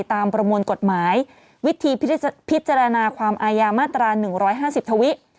ประมวลกฎหมายวิธีพิจารณาความอายามาตรา๑๕๐ทวิ